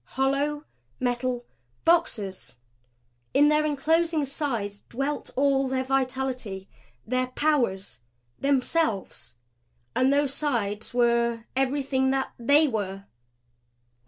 Hollow metal boxes! In their enclosing sides dwelt all their vitality their powers themselves! And those sides were everything that THEY were!